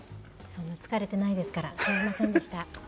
そんな疲れてないですから、すみませんでした。